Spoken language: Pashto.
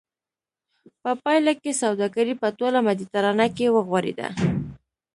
په پایله کې سوداګري په ټوله مدیترانه کې وغوړېده